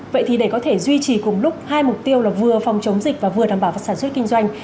vậy thì để có thể duy trì cùng lúc hai mục tiêu là vừa phòng chống dịch và vừa đảm bảo và sản xuất kinh doanh